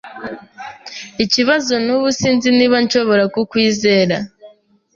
Ikibazo nubu sinzi niba nshobora kukwizera.